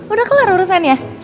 udah kelar urusan ya